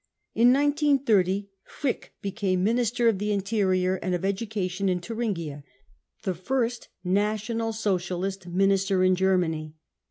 In 1930 Frick became Minister of the Interior and of Education in Thuringia — the first National Socialist Min i % ister in Germany.